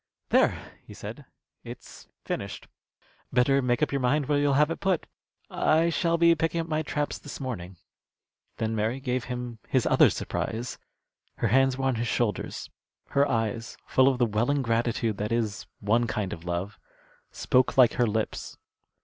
"There!" he said, "it's finished. Better make up your mind where you'll have it put. I shall be picking up my traps this morning." Then Mary gave him his other surprise. Her hands were on his shoulders. Her eyes, full of the welling gratitude that is one kind of love, spoke like her lips.